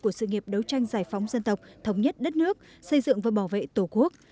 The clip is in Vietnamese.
của sự nghiệp đấu tranh giải phóng dân tộc thống nhất đất nước xây dựng và bảo vệ tổ quốc